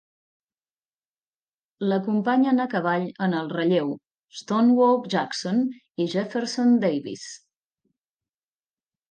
L'acompanyen a cavall en el relleu, Stonewall Jackson i Jefferson Davis.